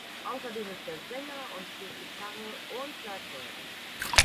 Außerdem ist er Sänger und spielt Gitarre und Schlagzeug.